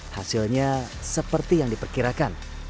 hasilnya seperti yang diperkirakan